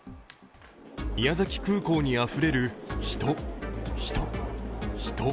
宮崎空港にあふれる人、人、人。